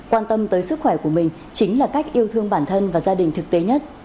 quan tâm tới sức khỏe của mình chính là cách yêu thương bản thân và gia đình thực tế nhất